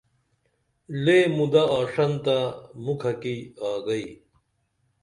لے مودہ آݜنتہ مُکھہ کی آگئی